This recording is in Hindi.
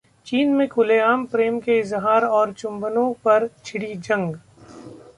चीन में खुलेआम 'प्रेम के इजहार और चुंबनों' पर छिड़ी जंग